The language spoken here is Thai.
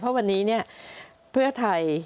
เพราะวันนี้เนี่ยเพื่อไทย